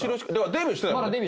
デビューしてない？